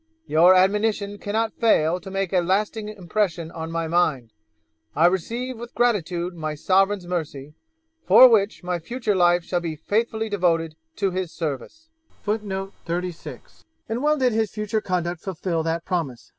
Your admonition cannot fail to make a lasting impression on my mind. I receive with gratitude my sovereign's mercy, for which my future life shall be faithfully devoted to his service.' And well did his future conduct fulfil that promise.